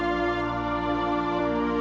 di bingung kurut lu kan makasih